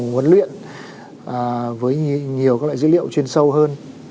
huấn luyện với nhiều các loại dữ liệu chuyên sâu hơn